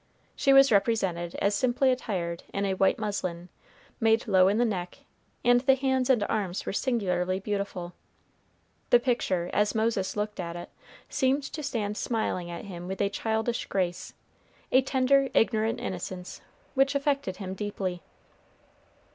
She was represented as simply attired in a white muslin, made low in the neck, and the hands and arms were singularly beautiful. The picture, as Moses looked at it, seemed to stand smiling at him with a childish grace, a tender, ignorant innocence which affected him deeply.